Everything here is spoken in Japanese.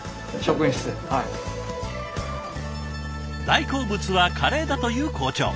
大好物はカレーだという校長。